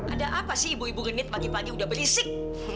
ada apa sih ibu ibu rinit pagi pagi udah berisik